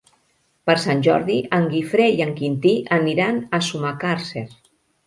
Per Sant Jordi en Guifré i en Quintí aniran a Sumacàrcer.